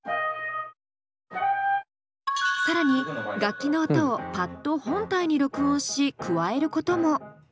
更に楽器の音をパッド本体に録音し加えることも。